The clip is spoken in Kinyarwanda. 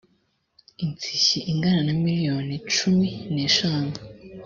insishyi ingana na miliyoni cumi n eshanu